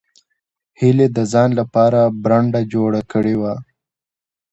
هیلې د ځان لپاره برنډه جوړه کړې وه